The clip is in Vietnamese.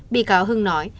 bị cáo hưng nói